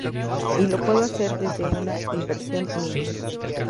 Y lo puede hacer desde una inversión mínima.